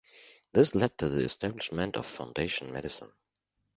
This led to the establishment of Foundation Medicine.